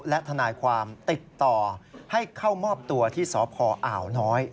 และทนายความติดต่อให้เข้ามอบตัวที่สพอ่าวน้อย